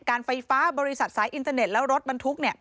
การไฟฟ้าบริษัทสายอินเทอร์เน็ตและรถบรรทุก